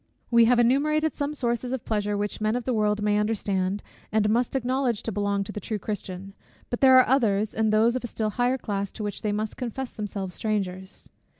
We have enumerated some sources of pleasure which men of the world may understand, and must acknowledge to belong to the true Christian; but there are others, and those of a still higher class, to which they must confess themselves strangers.